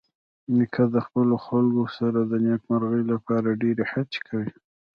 نیکه د خپلو خلکو سره د نیکمرغۍ لپاره ډېرې هڅې کوي.